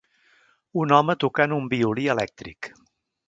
un home tocant un violí elèctric.